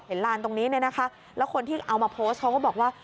เห็นร้านตรงนี้แล้วคนที่เอามาโพสต์เขาก็บอกว่า